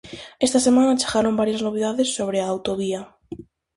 Esta semana chegaron varias novidades sobre a autovía.